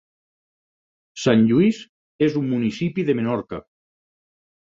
Sant Lluís és un municipi de Menorca.